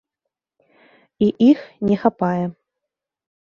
І іх не хапае.